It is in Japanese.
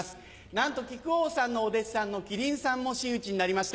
なんと木久扇さんのお弟子さんの木りんさんも真打ちになりました。